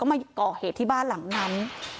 มาก่อเหตุที่บ้านหลังนั้น